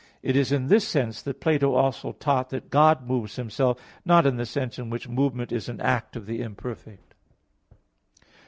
It is in this sense that Plato also taught that God moves Himself; not in the sense in which movement is an act of the imperfect.